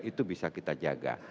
itu bisa kita jaga